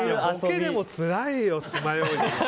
ボケでもつらいよ、つまようじ。